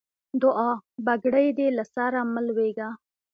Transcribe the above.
دوعا؛ بګړۍ دې له سره مه لوېږه.